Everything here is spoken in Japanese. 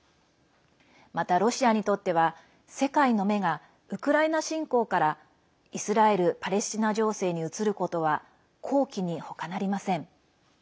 また、ロシアにとっては世界の目がウクライナ侵攻からイスラエル・パレスチナ情勢に移ることは好機に他なりません。